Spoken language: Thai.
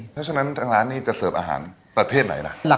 เพราะฉะนั้นทางร้านนี้จะเสิร์ฟอาหารประเทศไหนล่ะ